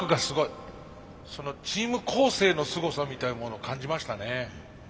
チーム構成のすごさみたいなものを感じましたね。